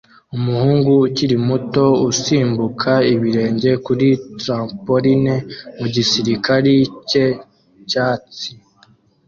Umuhungu ukiri muto usimbuka ibirenge kuri trampoline mu gikari cye cyatsi